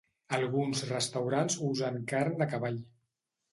Alguns restaurants usen carn de cavall.